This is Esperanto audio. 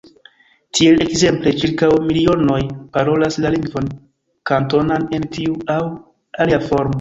Tiel ekzemple ĉirkaŭ milionoj parolas la lingvon Kantonan en tiu aŭ alia formo.